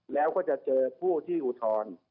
แล้วก็จะเจอผู้ที่อุทธรณ์